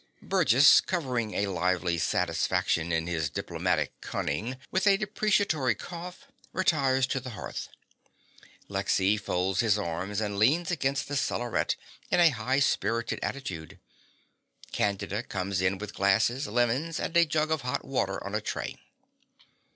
(Burgess, covering a lively satisfaction in his diplomatic cunning with a deprecatory cough, retires to the hearth. Lexy folds his arms and leans against the cellaret in a high spirited attitude. Candida comes in with glasses, lemons, and a jug of hot water on a tray.)